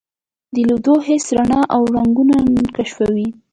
د لیدو حس رڼا او رنګونه کشفوي.